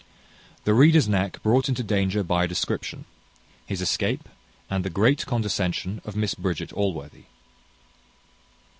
The reader's neck brought into danger by a description; his escape; and the great condescension of Miss Bridget Allworthy.